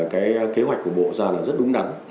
cái kế hoạch của bộ ra là rất đúng đắn